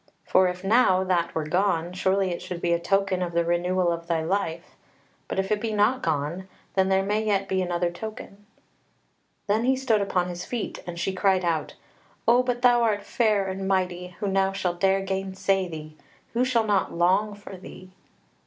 For if now that were gone, surely it should be a token of the renewal of thy life. But if it be not gone, then there may yet be another token." Then he stood upon his feet, and she cried out: "O but thou art fair and mighty, who now shall dare gainsay thee? Who shall not long for thee?"